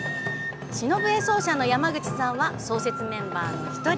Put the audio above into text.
篠笛奏者の山口さんは創設メンバーの一人。